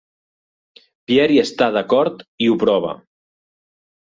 Pierre hi està d'acord i ho prova.